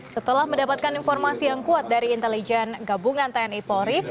setelah mendapatkan informasi yang kuat dari intelijen gabungan tni polri